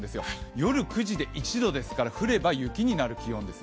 夜９時で１時ですから降れば雪になります。